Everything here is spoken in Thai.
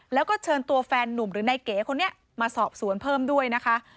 แล้วก็เชิญตัวแฟนนุ่มหรือนายเก๋คนนี้มาสอบสวนเพิ่มด้วยนะคะ